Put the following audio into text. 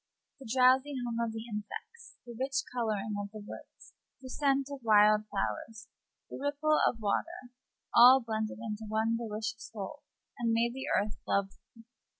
The drowsy hum of the insects, the rich coloring of the woods, the scent of wild flowers, the ripple of water, all blended into one delicious whole, and made the earth lovely.